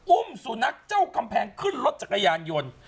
อุ้มสุนัขเจ้าคำแพงขึ้นรถจักรยานยนต์